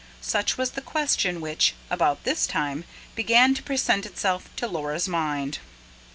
Such was the question which, about this time, began to present itself to Laura's mind.